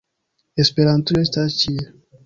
Esperantujo estas ĉie!